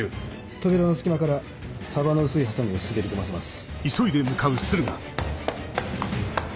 扉の隙間から幅の薄いハサミを滑り込ませます。